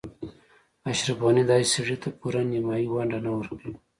اشرف غني داسې سړي ته پوره نیمايي ونډه نه ورکوي.